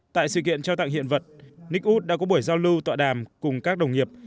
tại sự kiện trao tặng hiện vật nick wood đã có buổi giao lưu tọa đàm cùng các đồng nghiệp